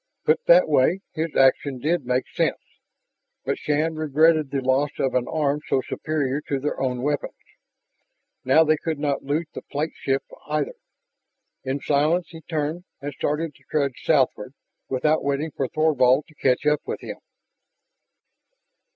Put that way, his action did make sense. But Shann regretted the loss of an arm so superior to their own weapons. Now they could not loot the plateship either. In silence he turned and started to trudge southward, without waiting for Thorvald to catch up with him.